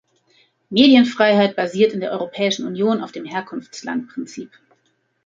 Medienfreiheit basiert in der Europäischen Union auf dem Herkunftslandprinzip.